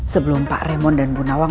sebelum pak remon dan bu nawang